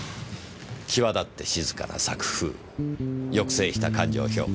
際立って静かな作風抑制した感情表現。